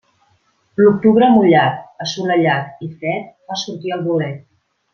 L'octubre mullat, assolellat i fred fa sortir el bolet.